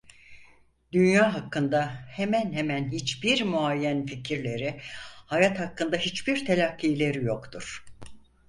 Dünya hakkında hemen hemen hiçbir muayyen fikirleri, hayat hakkında hiçbir telakkileri yoktur.